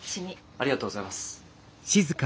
ありがとうございます。